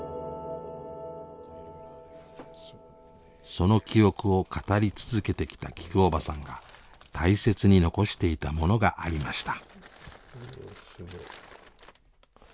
その記憶を語り続けてきたきくおばさんが大切に遺していたものがありました。